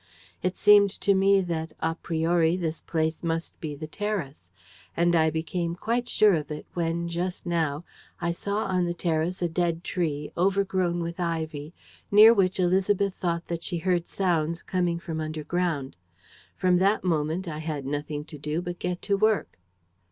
It seemed to me that, a priori, this place must be the terrace; and I became quite sure of it when, just now, I saw on the terrace a dead tree, overgrown with ivy, near which Élisabeth thought that she heard sounds coming from underground. From that moment, I had nothing to do but get to work."